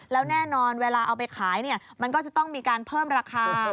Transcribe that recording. แล้วแน่นอนเวลาเอาไปขายมันก็จะต้องมีการเพิ่มราคา